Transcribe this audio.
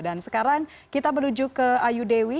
dan sekarang kita menuju ke ayu dewi